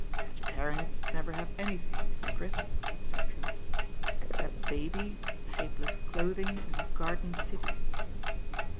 "Vegetarians never have anything, Mrs. Crisp,'* said Drewitt, "except babies, shapeless clothing, and garden cities."